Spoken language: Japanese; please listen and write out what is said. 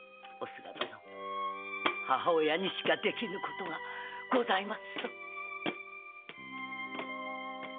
おすが殿母親にしかできぬことがございますぞ！